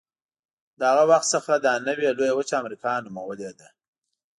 له هغه وخت څخه دا نوې لویه وچه امریکا نومولې ده.